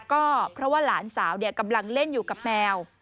ก็เพราะว่าหลานสาวกำลังเล่นอยู่กับแมว